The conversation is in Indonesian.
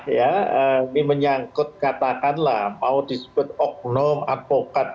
ini menyangkut katakanlah mau disebut oknum advokat